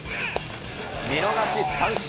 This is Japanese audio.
見逃し三振。